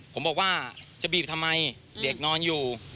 ผมบอกว่าจะบีบทำไมเด็กนอนอยู่